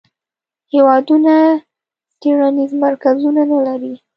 هیوادونه څیړنیز مرکزونه نه لري.